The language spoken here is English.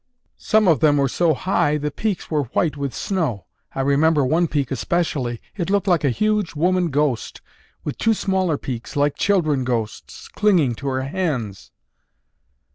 Some of them were so high the peaks were white with snow. I remember one peak especially. It looked like a huge woman ghost with two smaller peaks, like children ghosts, clinging to her hands.